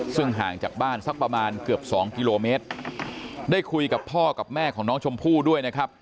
ซึ่งห่างจากบ้านสักประมาณเกือบสองกิโลเมตรได้คุยกับพ่อกับแม่ของน้องชมพู่ด้วยนะครับ